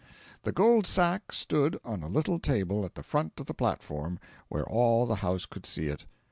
The gold sack stood on a little table at the front of the platform where all the house could see it.